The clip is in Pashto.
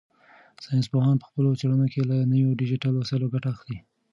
ساینس پوهان په خپلو څېړنو کې له نویو ډیجیټل وسایلو ګټه اخلي.